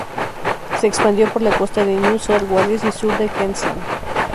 Se expandió por la costa de New South Wales y sur de Queensland.